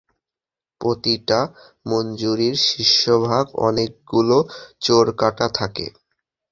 প্রতিটা মঞ্জুরির শীর্ষভাগ অনেকগুলো চোরকাঁটা থাকে।